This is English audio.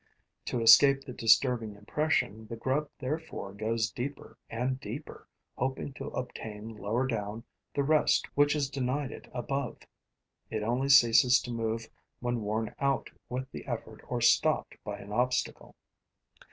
To escape the disturbing impression, the grub therefore goes deeper and deeper, hoping to obtain lower down the rest which is denied it above. It only ceases to move when worn out with the effort or stopped by an obstacle.